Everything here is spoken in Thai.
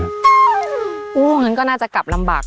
โหเงั้นก็น่าจะกลับลำบากหน่อย